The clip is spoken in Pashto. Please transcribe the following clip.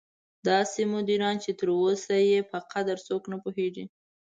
داسې مدیران چې تر اوسه یې په قدر څوک نه پوهېږي.